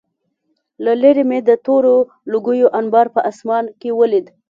له لېرې مې د تورو لوګیو انبار په آسمان کې ولید